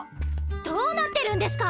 どうなってるんですか！